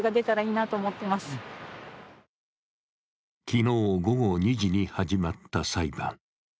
昨日午後２時に始まった裁判。